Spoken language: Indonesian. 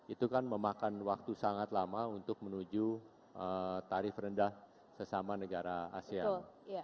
itu kan memakan waktu sangat lama untuk menuju tarif rendah sesama negara asean